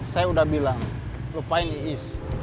saya udah bilang lupain iis